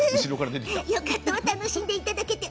よかったわ楽しんでいただけて。